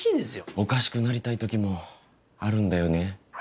おかしくなりたい時もあるんだよね。